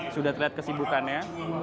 sudah terlihat kesibukannya